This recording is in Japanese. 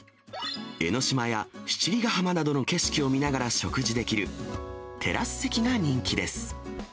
江の島や七里ヶ浜などの景色を見ながら食事できるテラス席が人気です。